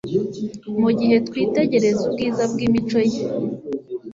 Mu gihe twitegereza ubwiza bw'imico Ye,